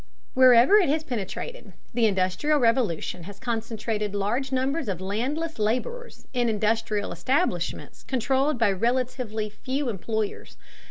Wherever it has penetrated, the Industrial Revolution has concentrated large numbers of landless laborers in industrial establishments controlled by relatively few employers.